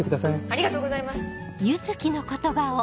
ありがとうございます！